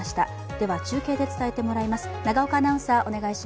では、中継で伝えてもらいます。